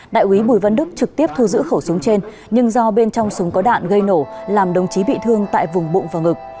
đại quý bùi văn đức trực tiếp thu giữ khẩu súng trên nhưng do bên trong súng có đạn gây nổ làm đồng chí bị thương tại vùng bụng và ngực